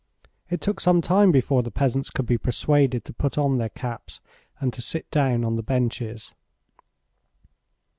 It took some time before the peasants could be persuaded to put on their caps and to sit down on the benches.